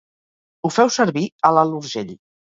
Ho feu servir a l'Alt Urgell.